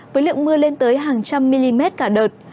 với lượng mưa lên tới hàng trăm mm cả đợt